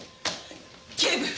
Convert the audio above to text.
警部！